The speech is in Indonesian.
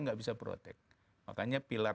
nggak bisa protect makanya pilar